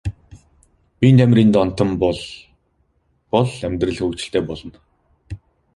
Биеийн тамирын донтон бол бол амьдрал хөгжилтэй болно.